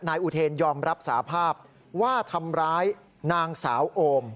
อุเทนยอมรับสาภาพว่าทำร้ายนางสาวโอม